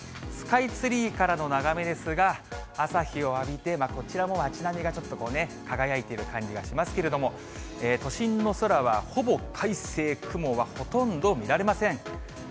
スカイツリーからの眺めですが、朝日を浴びて、こちらも町並みがちょっと輝いている感じがしますけれども、都心の空はほぼ快晴、雲はほとんど見られません。